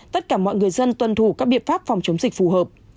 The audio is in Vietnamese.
tất cả mọi người dân tuân thủ các biện pháp phòng chống dịch phù hợp